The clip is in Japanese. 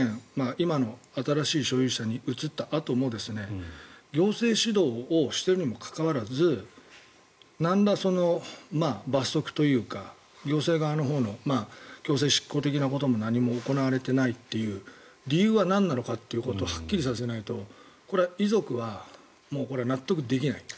今の新しい所有者に移ったあとも行政指導をしているにもかかわらずなんら罰則というか行政側のほうの強制執行的なことも何も行われていないという理由はなんなのかということをはっきりさせないと遺族は納得できない。